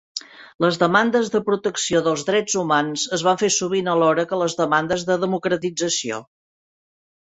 Les demandes de protecció dels drets humans es van fer sovint alhora que les demandes de democratització.